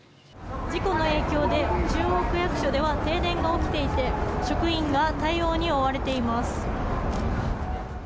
事故の影響で中央区役所では停電が起きていて職員が対応に追われています。